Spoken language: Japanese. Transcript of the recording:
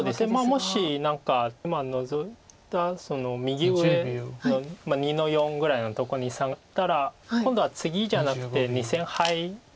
もし何かノゾいたその右上の２の四ぐらいのとこにサガったら今度はツギじゃなくて２線ハイ。